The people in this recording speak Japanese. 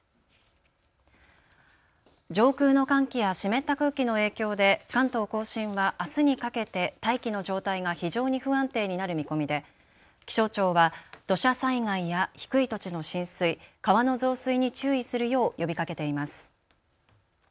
上空の寒気や湿った空気の影響で関東甲信はあすにかけて大気の状態が非常に不安定になる見込みで気象庁は土砂災害や低い土地の浸水、川の増水に注意するよう呼びかけています。